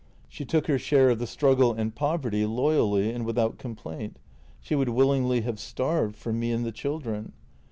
She took her share of the struggle and poverty loyally and without complaint — she would willingly have starved for me and the children.